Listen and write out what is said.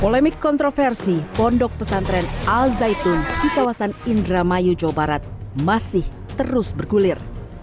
polemik kontroversi pondok pesantren al zaitun di kawasan indramayu jawa barat masih terus bergulir